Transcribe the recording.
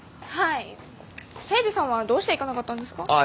はい誠治さんはどうして行かなかったんですか？